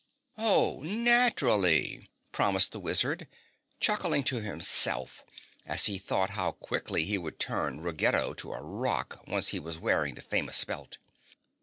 "Oh, naturally!" promised the wizard, chuckling to himself as he thought how quickly he would turn Ruggedo to a rock once he was wearing the famous belt.